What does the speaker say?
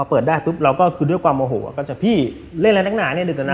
เปิดได้ปุ๊บเราก็คือด้วยความโอโหก็จะพี่เล่นอะไรนักหนาเนี่ยดึกแล้วนะ